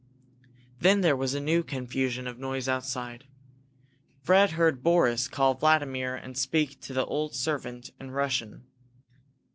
Then there was a new confusion of noise outside. Fred heard Boris call Vladimir and speak to the old servant in Russian.